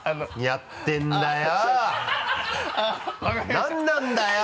何なんだよ！